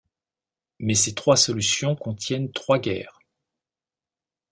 Mais ces trois solutions contiennent trois guerres.